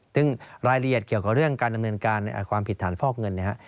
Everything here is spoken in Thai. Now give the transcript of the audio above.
ซึ่งรายละเอียดเกี่ยวกับเรื่องการดำเนินการในความผิดฐานฟอกเงินนะครับ